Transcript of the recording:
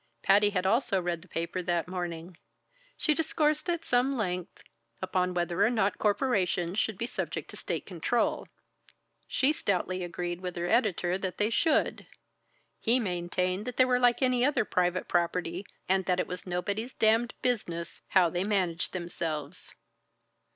Patty had also read the paper that morning. She discoursed at some length upon whether or not corporations should be subject to state control. She stoutly agreed with her editor that they should. He maintained that they were like any other private property, and that it was nobody's damned business how they managed themselves.